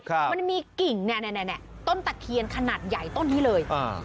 ที่มีกิ่งเนี่ยต้นตะเคียนขนาดใหญ่ต้นนี้เลย